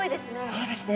そうですね。